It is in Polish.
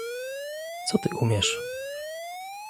"Co ty umiesz?"